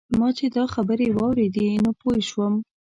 ما چې دا خبرې واورېدې نو پوی شوم.